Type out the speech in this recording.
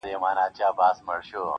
زه تر مور او پلار پر ټولو مهربان یم-